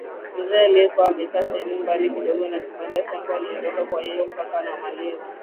mzee aliyekuwa amekaa sehemu mbali kidogo na kibanda changu aliondoka Kwa hiyo mpaka namaliza